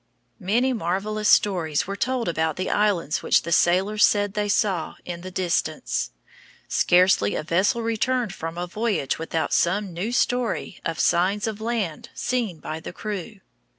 Many marvelous stories were told about the islands which the sailors said they saw in the distance. Scarcely a vessel returned from a voyage without some new story of signs of land seen by the crew.